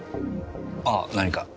あー何か？